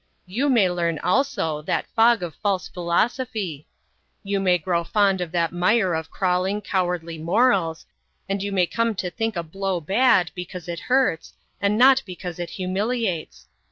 You may learn, also, that fog of false philosophy. You may grow fond of that mire of crawling, cowardly morals, and you may come to think a blow bad, because it hurts, and not because it humiliates.